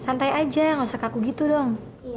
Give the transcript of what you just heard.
santai aja gak usah kaku gitu dong